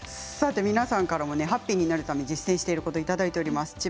皆さんからもハッピーになるために実践していることをいただいています。